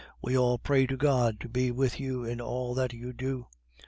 We all pray to God to be with you in all that you do.